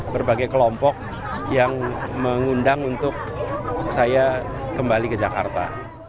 berbagai kelompok yang mengundang untuk saya kembali ke jakarta